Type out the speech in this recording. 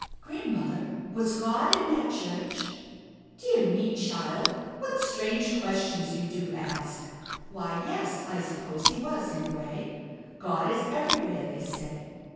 "Grandmother, was God in that church?" "Dear me, child! What strange questions you do ask! Why, yes, I suppose He was, in a way. God is everywhere, they say.